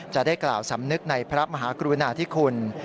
จะได้กล่าวสำนึกในพระมหากรุณาธิคุณ